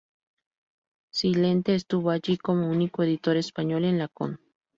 Silente estuvo allí como único editor español en la Con.